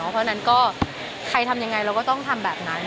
เพราะฉะนั้นก็ใครทำยังไงเราก็ต้องทำแบบนั้น